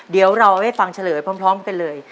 เดี๋ยวเราให้ฟังเฉลยพร้อมกันเลย